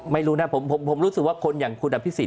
ไม่รู้นะผมรู้สึกว่าคนอย่างคุณอภิษฎ